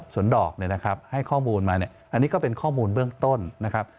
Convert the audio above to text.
สนดอกให้ข้อมูลมาอันนี้ก็เป็นข้อมูลเบื้องต้นนะครับ